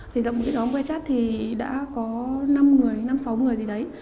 thì lập một cái nhóm quay chat thì đã có năm người năm sáu người gì đấy